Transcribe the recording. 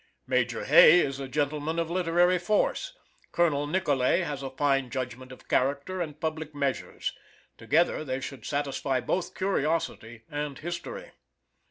Major Hay is a gentleman of literary force. Colonel Nicolay has a fine judgment of character and public measures. Together they should satisfy both curiosity and history.